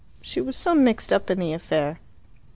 "She was so mixed up in the affair."